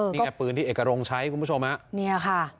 นี่ไงปืนที่เอกรงใช้คุณผู้ชมฮะ